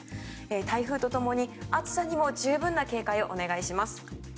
台風と共に暑さにも十分な警戒をお願いします。